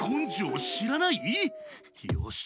よし。